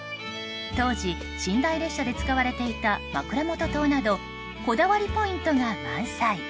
当時、寝台列車で使われていた枕元灯などこだわりポイントが満載。